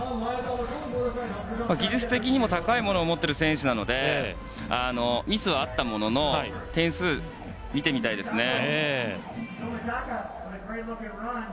技術的にも高いものを持っている選手なのでミスはあったものの点数を見てみたいですね。